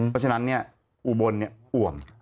เพราะฉะนั้นอุบลอ่วม